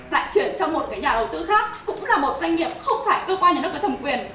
lại chuyển cho một cái nhà đầu tư khác cũng là một doanh nghiệp không phải cơ quan nhà nước có thẩm quyền